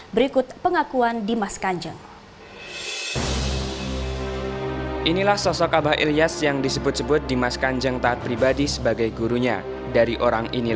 berikut pengakuan dimas kanjeng